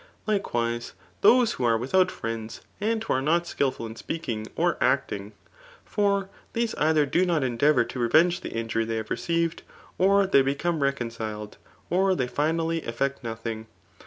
Lflcewise those who are without friends, aM who are not skilftilin speaBng or actuig. For ^ese either do not endearour to revenue the faftjuty diey ha^e received, or Aey become reconciled^ or (hey finally efiect nethtHg.